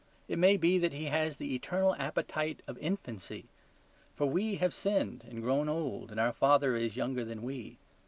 It may be that He has the eternal appetite of infancy; for we have sinned and grown old, and our Father is younger than we.